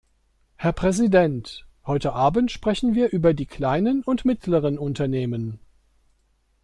Herr Präsident! Heute abend sprechen wir über die kleinen und mittleren Unternehmen.